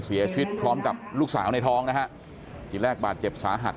เสียชีวิตพร้อมกับลูกสาวในท้องนะฮะที่แรกบาดเจ็บสาหัส